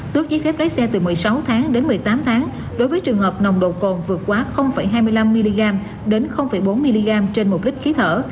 tước giấy phép lái xe từ một mươi sáu tháng đến một mươi tám tháng đối với trường hợp nồng độ cồn vượt quá hai mươi năm mg đến bốn mg trên một lít khí thở